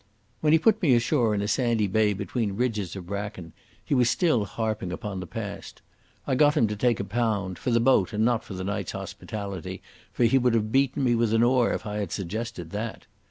When he put me ashore in a sandy bay between green ridges of bracken, he was still harping upon the past. I got him to take a pound—for the boat and not for the night's hospitality, for he would have beaten me with an oar if I had suggested that.